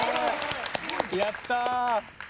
やった。